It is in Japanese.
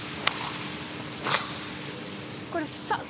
これさっ！